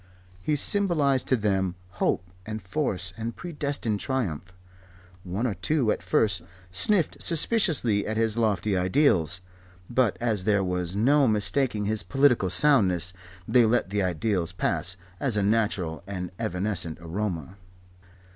He symbolized to them hope and force and predestined triumph. One or two at first sniffed suspiciously at his lofty ideals; but as there was no mistaking his political soundness, they let the ideals pass, as a natural and evanescent aroma.